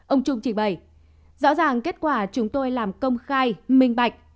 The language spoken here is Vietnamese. ông trung chỉ bày rõ ràng kết quả chúng tôi làm công khai minh bạch